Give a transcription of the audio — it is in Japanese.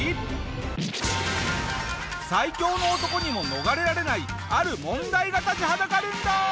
最強の男にも逃れられないある問題が立ちはだかるんだ！